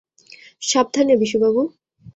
সাবধানে, বিশু বাবু।